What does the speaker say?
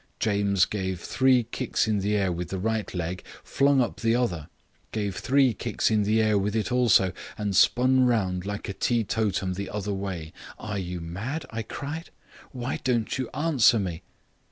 James gave three kicks in the air with the right leg, flung up the other, gave three kicks in the air with it also and spun round like a teetotum the other way. 'Are you mad?' I cried. 'Why don't you answer me?'